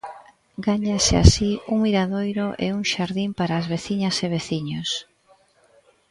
Gáñase así un miradoiro e un xardín para as veciñas e veciños.